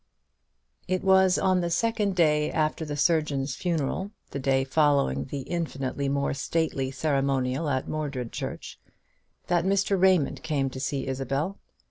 It was on the second day after the surgeon's funeral, the day following that infinitely more stately ceremonial at Mordred church, that Mr. Raymond came to see Isabel.